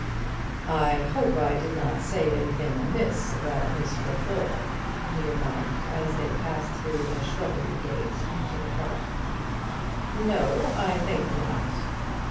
"I hope I did not say anything amiss about Miss Trefoil," he remarked, as they passed through a shrubbery gate into the park. "No; I think not."